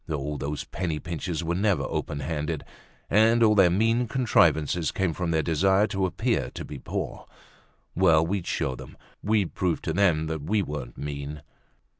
Oh, those penny pinchers were never open handed, and all their mean contrivances came from their desire to appear to be poor. Well, we'd show them, we'd prove to them that we weren't mean.